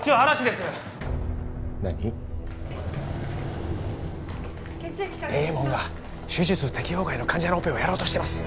デイモンが手術適応外の患者のオペをやろうとしてます！